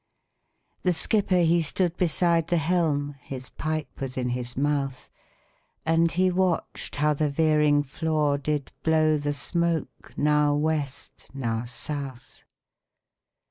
The skipper he stood beside the helm, His pipe was in his mouth, And he watched how the veering flaw did blow The smoke now West, now South.